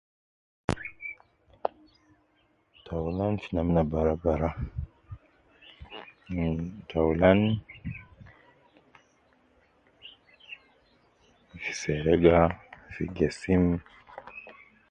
Taulan fi namna bara bara ,taulan fi serega fi kesim